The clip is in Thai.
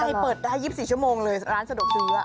เปิดได้๒๔ชั่วโมงเลยร้านสะดวกซื้อ